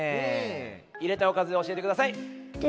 いれたいおかずおしえてください。